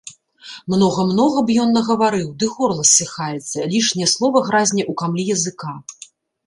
Многа-многа б ён нагаварыў, ды горла ссыхаецца, лішняе слова гразне ў камлі языка.